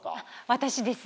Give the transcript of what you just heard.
私です。